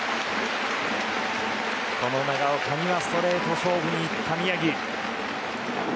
この長岡にはストレート勝負にいった宮城。